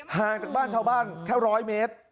ห่างจากบ้านชาวบ้านแค่๑๐๐เมตร